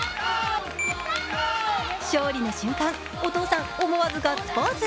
勝利の瞬間、お父さん、思わずガッツポーズ。